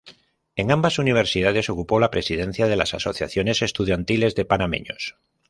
En ambas Universidades ocupó la presidencia de la Asociaciones estudiantiles de panameños.